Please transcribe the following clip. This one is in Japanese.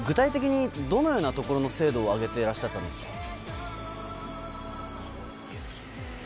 具体的にどのようなところの精度を上げてらっしゃったんですか？